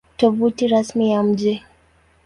Tovuti Rasmi ya Mji